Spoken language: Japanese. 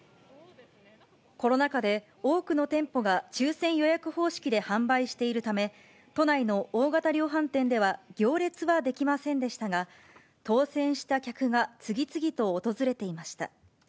コロナ禍で多くの店舗が抽せん予約方式で販売しているため、都内の大型量販店では行列は出来ませんでしたが、当せんした客が次々と訪れていました。